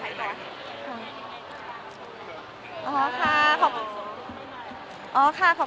เอิ้นเรื่องเกลียดใครแคบ